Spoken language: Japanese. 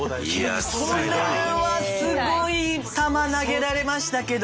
これはすごい球投げられましたけど。